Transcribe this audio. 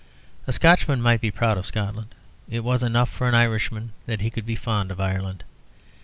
A Scotchman might be proud of Scotland; it was enough for an Irishman that he could be fond of Ireland.